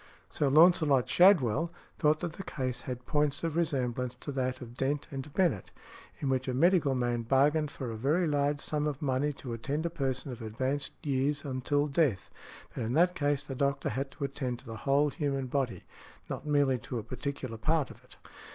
Sir Launcelot Shadwell thought that the case had points of resemblance to that of Dent v. Bennett , in which a medical man bargained for a very large sum of money to attend a person of advanced years until death; but in that case the doctor had to attend to the whole human body, not merely to a particular part of it.